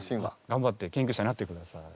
がんばって研究者になってください。